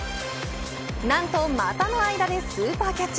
なんと股の間でスーパーキャッチ。